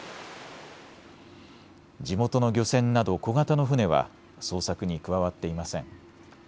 地元の漁船など小型の船は捜索に加わっていません。